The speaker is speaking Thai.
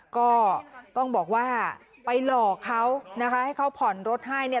ก็ต้องบอกว่าไปหลอกเขานะคะให้เขาผ่อนรถให้เนี่ย